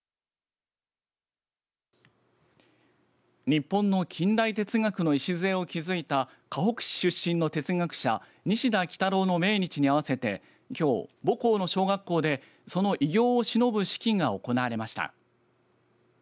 日本の近代哲学の礎を築いたかほく市出身の哲学者西田幾多郎の命日に合わせてきょう、母校の小学校でその偉業をしのぶ式が行われました。